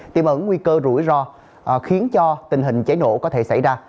tiềm ẩn nguy cơ rủi ro khiến cho tình hình cháy nổ có thể xảy ra